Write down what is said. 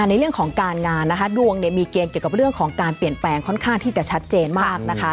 ในเรื่องของการงานนะคะดวงเนี่ยมีเกณฑ์เกี่ยวกับเรื่องของการเปลี่ยนแปลงค่อนข้างที่จะชัดเจนมากนะคะ